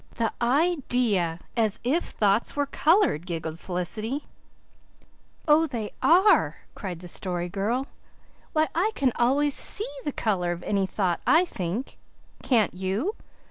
"The idea! As if thoughts were coloured," giggled Felicity. "Oh, they are!" cried the Story Girl. "Why, I can always SEE the colour of any thought I think. Can't you?"